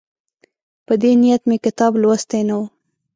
په دې نیت مې کتاب لوستی نه وو.